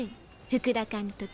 福田監督。